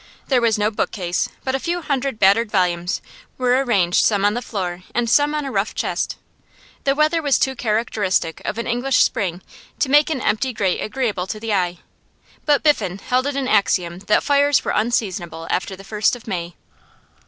There was no bookcase, but a few hundred battered volumes were arranged some on the floor and some on a rough chest. The weather was too characteristic of an English spring to make an empty grate agreeable to the eye, but Biffen held it an axiom that fires were unseasonable after the first of May.